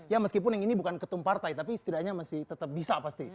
ya meskipun yang ini bukan ketum partai tapi setidaknya masih tetap bisa pasti